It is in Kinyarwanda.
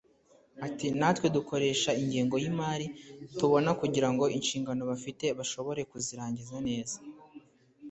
Ati “Natwe dukoresha ingengo y’imari tubona kugirango inshingano bafite bashobore kuzirangiza neza